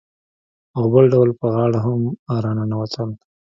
او بل ډول پر غاړه هم راننوتل.